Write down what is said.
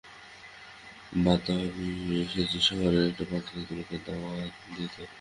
বাদ দাও, আমি এসেছি শহরের একটা পার্টিতে তোমাকে দাওয়াত দিতে।